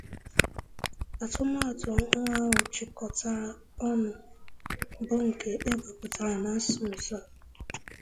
Atụmatụ ọhụụ ahụ a chịkọtara ọnụ bụ nke e wepụtara na nso nso a